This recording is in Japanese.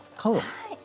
はい。